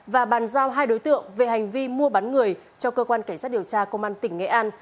và bàn giao hai đối tượng về hành vi mua bán người cho cơ quan cảnh sát điều tra công an tỉnh nghệ an